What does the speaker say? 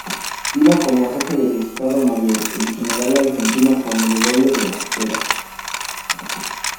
Iba como jefe del estado mayor, el general argentino Juan Gregorio de Las Heras.